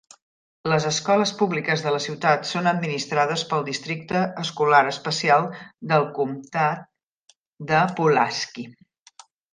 Les escoles públiques de la ciutat són administrades pel Districte Escolar Especial del Comtat de Pulaski.